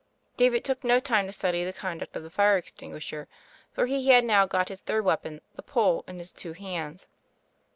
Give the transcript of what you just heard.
David took no time to study the conduct of THE FAIRY OF THE SNOWS 125 the fire extinguisher; for he had now got his third weapon, the pole, in his two hands.